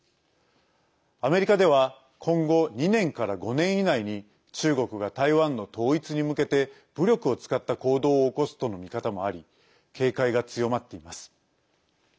アメリカでは今後２年から５年以内に中国が台湾の統一に向けて武力を使った行動を起こすとの見方もあり警戒が強まっています。